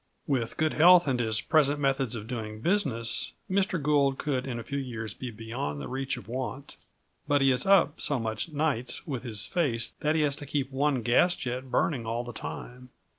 With good health and his present methods of doing business Mr. Gould could in a few years be beyond the reach of want, but he is up so much nights with his face that he has to keep one gas jet burning all the time.